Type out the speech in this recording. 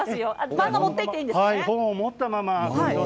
漫画を持っていてもいいんですね。